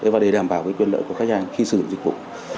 và để đảm bảo quyền lợi của khách hàng khi sử dụng dịch vụ